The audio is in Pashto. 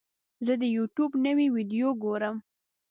زه د یوټیوب نوې ویډیو ګورم.